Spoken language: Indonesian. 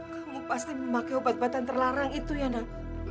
kamu pasti memakai obat obatan terlarang itu ya nak